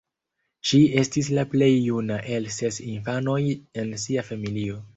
Ŝi estis la plej juna el ses infanoj en sia familio.